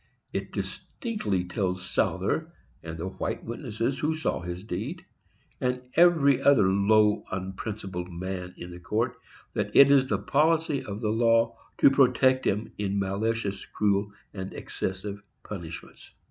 It distinctly tells Souther, and the white witnesses who saw his deed, and every other low, unprincipled man in the court, that it is the policy of the law to protect him in malicious, cruel and excessive punishments.